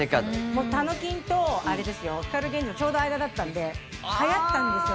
たのきんと光ＧＥＮＪＩのちょうど間だったのではやったんですよ。